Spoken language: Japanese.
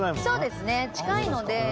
そうですね近いので。